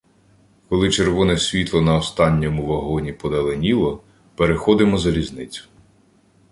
Коли червоне світло на останньому вагоні подаленіло, переходимо залізницю.